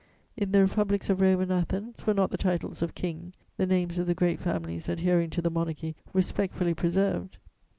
In the Republics of Rome and Athens, were not the titles of "King," the names of the great families adhering to the Monarchy respectfully preserved?